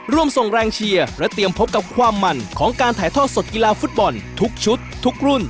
ร่วมส่งแรงเชียร์และเตรียมพบกับความมันของการถ่ายทอดสดกีฬาฟุตบอลทุกชุดทุกรุ่น